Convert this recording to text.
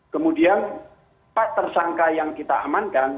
kemudian empat tersangka yang kita amankan